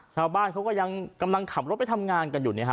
ชาวบ้านเขาก็ยังกำลังขับรถไปทำงานกันอยู่เนี่ยฮะ